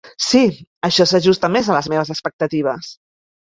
Sí, això s'ajusta més a les meves expectatives.